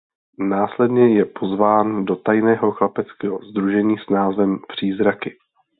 Následně je pozván do tajného chlapeckého sdružení s názvem "Přízraky".